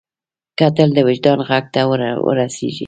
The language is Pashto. کتل د وجدان غږ ته ور رسېږي